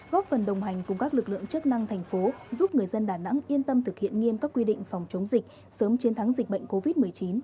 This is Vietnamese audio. góp phần đồng hành cùng các lực lượng chức năng thành phố giúp người dân đà nẵng yên tâm thực hiện nghiêm các quy định phòng chống dịch sớm chiến thắng dịch bệnh covid một mươi chín